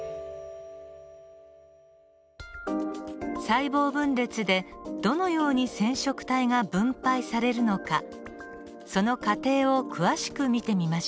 細胞分裂でどのように染色体が分配されるのかその過程を詳しく見てみましょう。